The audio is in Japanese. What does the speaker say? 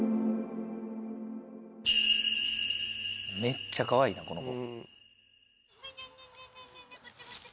めっちゃかわいいなこの子。